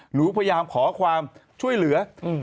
หนูพยายามขอความช่วยเหลือ